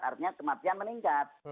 artinya kematian meningkat